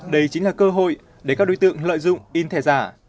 đây chính là cơ hội để các đối tượng lợi dụng in thẻ giả